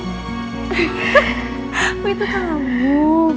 oh itu kamu